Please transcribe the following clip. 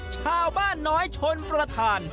ชาวบ้านน้อยชนประธาน